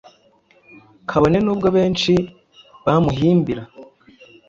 Kabone nubwo benshi bamuhimbira